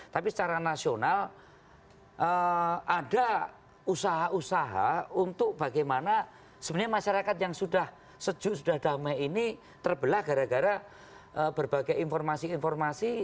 tapi secara nasional ada usaha usaha untuk bagaimana sebenarnya masyarakat yang sudah sejuk sudah damai ini terbelah gara gara berbagai informasi informasi